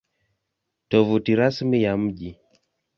Tovuti Rasmi ya Mji